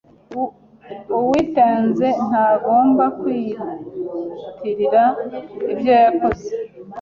Uwitenze ntegombe kwiyitirire ibyo yekoze,